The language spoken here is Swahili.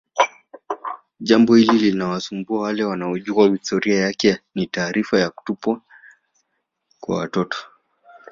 Jambo hili linawasumbua wale wanaojua historia yake ni taarifa za kutupwa kwa watoto